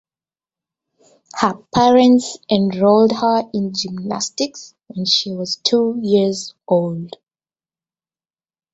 Her parents enrolled her in gymnastics when she was two years old.